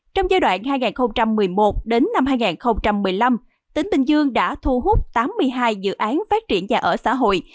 trong giai đoạn hai nghìn một mươi một đến năm hai nghìn một mươi năm tỉnh bình dương đã thu hút tám mươi hai dự án phát triển nhà ở xã hội